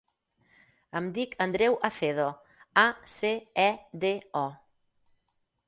Em dic Andreu Acedo: a, ce, e, de, o.